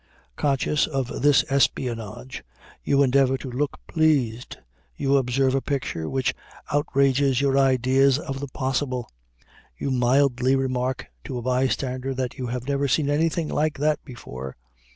Conscious of this espionage, you endeavor to look pleased. You observe a picture which outrages your ideas of the possible. You mildly remark to a bystander that you have never seen anything like that before.